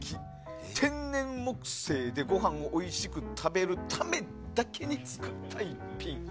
天然木製でご飯をおいしく食べるためだけに作った逸品。